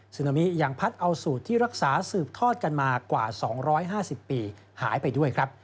นามิยังพัดเอาสูตรที่รักษาสืบทอดกันมากว่า๒๕๐ปีหายไปด้วยครับ